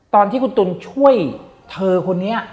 ตอนที่คุณตุ๋นช่วยเธอคนนี้